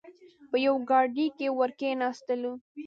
په یوې ګاډۍ کې ور کېناستلو.